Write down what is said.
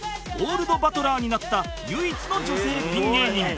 ゴールドバトラーになった唯一の女性ピン芸人